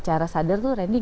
apa ya penyebabnya